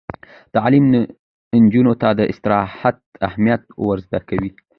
تعلیم نجونو ته د استراحت اهمیت ور زده کوي.